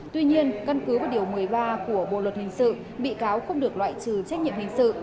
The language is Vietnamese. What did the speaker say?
tuy nhiên căn cứ vào điều một mươi ba của bộ luật hình sự bị cáo không được loại trừ trách nhiệm hình sự